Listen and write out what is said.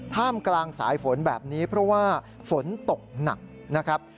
ท่ามกลางสายฝนแบบนี้เพราะว่าฝนตกหนักนะครับ